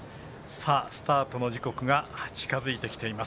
スタートの時刻が近づいてきています。